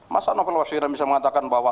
masa novel baswedan bisa mengatakan bahwa